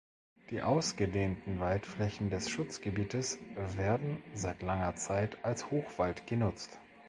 Die ausgedehnten Waldflächen des Schutzgebietes werden seit langer Zeit als Hochwald genutzt.